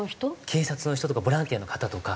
警察の人とかボランティアの方とか。